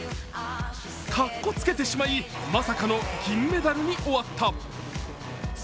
かっこつけてしまい、まさかの銀メダルに終わった。